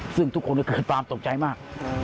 ซึ่งทุกคนเคยเผาตกใจมาก